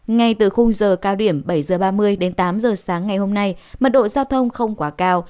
ngay từ khung giờ cao điểm bảy h ba mươi đến tám giờ sáng ngày hôm nay mật độ giao thông không quá cao